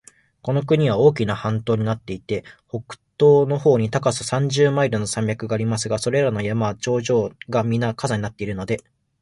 この国は大きな半島になっていて、北東の方に高さ三十マイルの山脈がありますが、それらの山は頂上がみな火山になっているので、